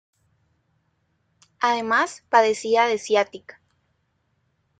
Además, padecía de ciática.